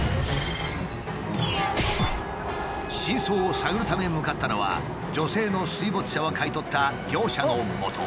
真相を探るため向かったのは女性の水没車を買い取った業者のもと。